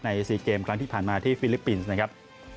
๔เกมครั้งที่ผ่านมาที่ฟิลิปปินส์นะครับ